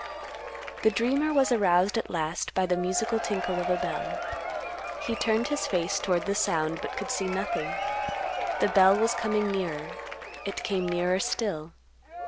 The dreamer was aroused at last by the musical tinkle of a bell. He turned his face toward the sound, but could see nothing. The bell was coming nearer; it came nearer still.